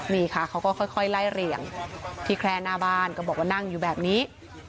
นี่ค่ะเขาก็ค่อยไล่เรียงที่แคล่หน้าบ้านก็บอกว่านั่งอยู่แบบนี้